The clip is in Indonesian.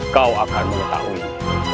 kau akan mengetahui